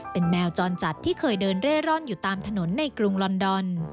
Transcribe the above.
เป็นแมวจรจัดที่เคยเดินเร่ร่อนอยู่ตามถนนในกรุงลอนดอน